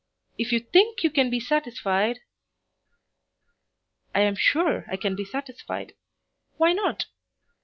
If you think you can be satisfied " "I am sure I can be satisfied. Why not?"